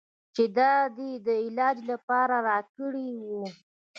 چې د ادې د علاج لپاره يې راکړى و.